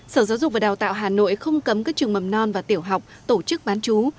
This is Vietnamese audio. sở giáo dục và đào tạo hà nội không cấm các trường mầm non và tiểu học tổ chức bán chú